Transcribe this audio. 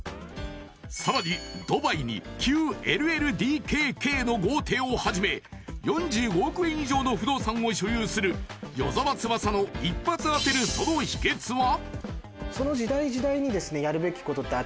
［さらにドバイに９ＬＬＤＫＫの豪邸をはじめ４５億円以上の不動産を所有する与沢翼の一発当てるその秘訣は？］